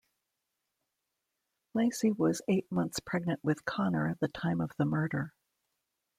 Laci was eight months pregnant with Conner at the time of the murder.